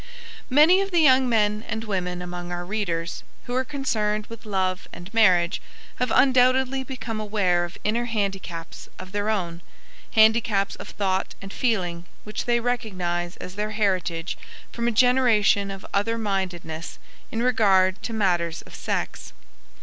Many of the young men and women among our readers, who are concerned with love and marriage, have undoubtedly become aware of inner handicaps of their own handicaps of thought and feeling which they recognize as their heritage from a generation of other mindedness in regard to matters of sex.